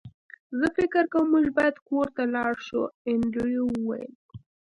زه فکر کوم موږ باید کور ته لاړ شو انډریو وویل